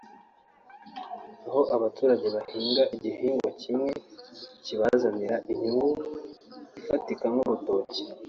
aho abaturage bahinga igihingwa kimwe kibazanira inyungu ifatika nk’urutoki”